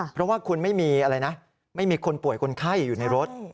เพราะว่าคุณไม่มีอะไรนะไม่มีคนป่วยคนไข้อยู่ในรถ